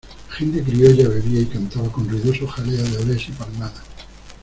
la gente criolla bebía y cantaba con ruidoso jaleo de olés y palmadas.